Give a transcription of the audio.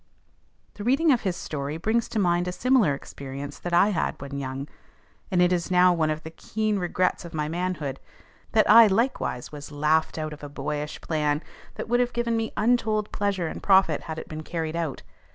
The reading of his story brings to mind a similar experience that I had when young, and it is now one of the keen regrets of my manhood, that I likewise was laughed out of a boyish plan that would have given me untold pleasure and profit had it been carried out.